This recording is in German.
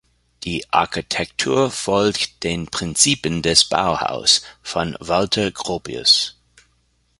Die Architektur folgte den Prinzipien des Bauhaus von Walter Gropius.